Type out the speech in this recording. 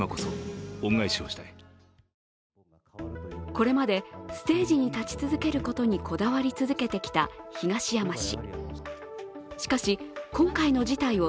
これまでステージに立ち続けることにこだわり続けてきた東山氏。